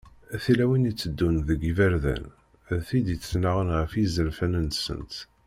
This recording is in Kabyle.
Tilawin iteddun deg yiberdan, d tid ittennaɣen ɣef yizerfan-nsent.